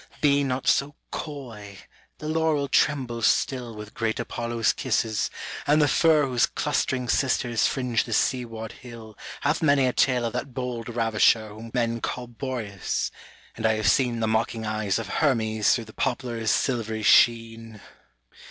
Be nor ao coy, the laurel trrmhiCT stilL With great Apollo's Iraap^ and the fir Whose clustering asters fringe the sea ward hiH Hath many a tnj<» of that hold ncvisher Whom men call Boreas, and I have seen The mocking eyes of Hermes through die poplar's ftWerj sheen.